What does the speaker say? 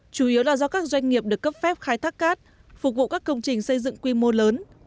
chủ yếu là do các doanh nghiệp được cấp phép khai thác cát phục vụ các công trình xây dựng quy mô lớn